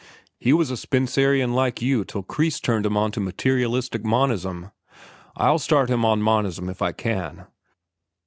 He was a Spencerian like you till Kreis turned him to materialistic monism. I'll start him on monism if I can.